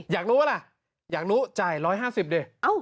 อยากรู้ป่ะล่ะอยากรู้จ่าย๑๕๐ดิ